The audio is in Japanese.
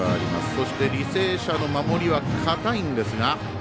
そして履正社の守りは固いんですが。